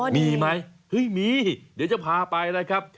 มีไหมเฮ้ยมีเดี๋ยวจะพาไปนะครับ